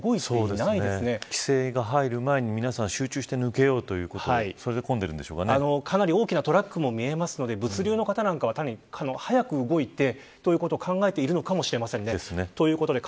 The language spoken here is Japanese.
規制が入る前に皆さん集中して抜けようということでかなり大きなトラックも見えますので物流の方は、早く動いてということを考えてるのかもしれません。